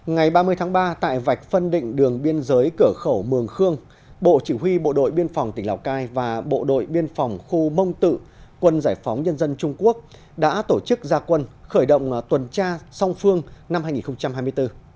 ngày ba mươi tháng ba tại vạch phân định đường biên giới cửa khẩu mường khương bộ chỉ huy bộ đội biên phòng tỉnh lào cai và bộ đội biên phòng khu mông tự quân giải phóng nhân dân trung quốc đã tổ chức gia quân khởi động tuần tra song phương năm hai nghìn hai mươi bốn